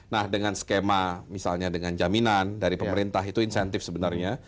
nah dengan skema misalnya dengan jaminan dari pemerintah itu insentif sebenarnya